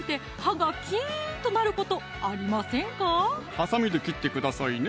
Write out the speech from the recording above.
はさみで切ってくださいね